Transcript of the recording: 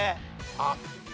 あっ。